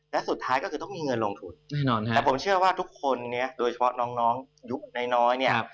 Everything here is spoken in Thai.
และสุดท้ายก็คือต้องมีเงินลงทุนแน่นอนแต่ผมเชื่อว่าทุกคนเนี่ยโดยเฉพาะน้องน้องยุคน้อยเนี่ย